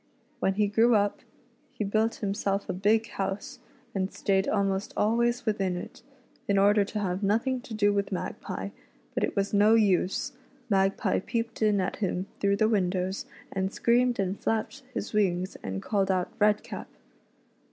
When he grew I'.p, hf; biiik. •vm^clf ,a big house, and stayed almost al\va\s within it, in order to have nothing to do with Magpie; but it was no use, Magpie peeped in at him through the windows, and screamed and flapped his wings, and called out " Redcap."